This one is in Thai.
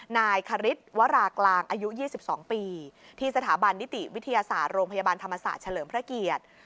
นายคริสวรากลางอายุ๒๒ปีที่สถาบันนิติวิทยาศาสตร์โรงพยาบาลธรรมศาสตร์เฉลิมพระเกียรติ